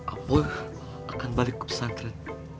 abulah akan balik ke pesantren